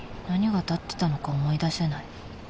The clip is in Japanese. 何が立ってたのか思い出せない